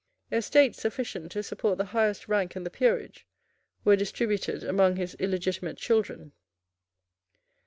Estates sufficient to support the highest rank in the peerage were distributed among his illegitimate children.